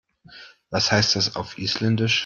Was heißt das auf Isländisch?